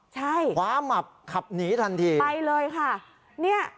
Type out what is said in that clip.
ใช่ไปเลยค่ะขวามับขับหนีทันที